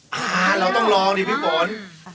เราต้องลองดิพี่ฝน